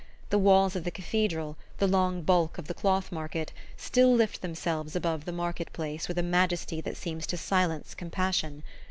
The walls of the Cathedral, the long bulk of the Cloth Market, still lift themselves above the market place with a majesty that seems to silence compassion.